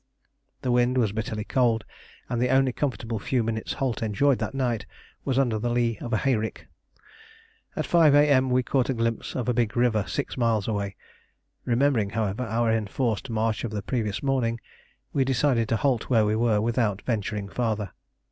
The wind was bitterly cold, and the only comfortable few minutes' halt enjoyed that night was under the lee of a hayrick. At 5 A.M. we caught a glimpse of a big river six miles away; remembering, however, our enforced march of the previous morning, we decided to halt where we were without venturing farther.